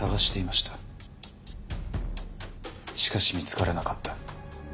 しかし見つからなかった。